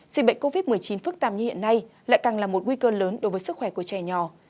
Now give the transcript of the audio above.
dịch bệnh covid một mươi chín phức tạp như hiện nay lại càng là một nguy cơ lớn đối với sức khỏe của trẻ nhỏ